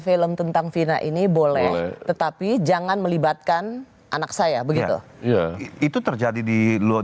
film tentang vina ini boleh tetapi jangan melibatkan anak saya begitu itu terjadi di luar